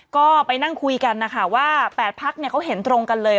ก็ไปนั่งคุยกันนะคะว่า๘พักเขาเห็นตรงกันเลย